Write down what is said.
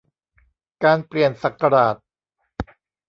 การเปลี่ยนศักราช